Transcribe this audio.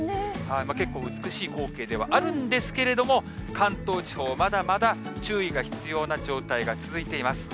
結構美しい光景ではあるんですけれども、関東地方、まだまだ注意が必要な状態が続いています。